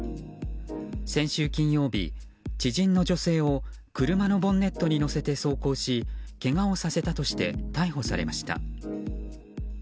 先週金曜日、知人の女性を車のボンネットに乗せて走行しけがをさせたとして逮捕されました。